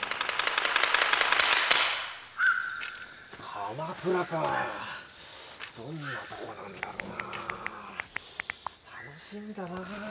鎌倉かどんなとこなんだろうな楽しみだなあ。